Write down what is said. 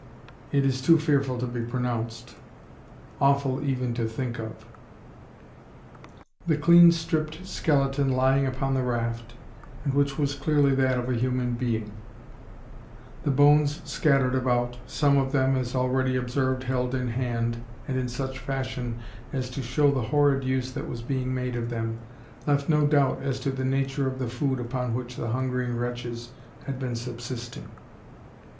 It is too fearful to be pronounced, awful even to think of! The clean stripped skeleton lying upon the raft, and which was clearly that of a human being; the bones scattered about, some of them, as already observed, held in hand, and in such fashion as to show the horrid use that was being made of them, left no doubt as to the nature of the food upon which the hungering wretches had been subsisting.